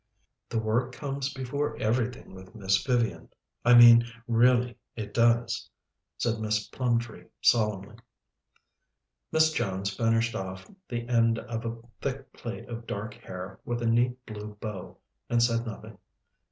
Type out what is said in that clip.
"The work comes before everything with Miss Vivian. I mean, really it does," said Miss Plumtree solemnly. Miss Jones finished off the end of a thick plait of dark hair with a neat blue bow, and said nothing.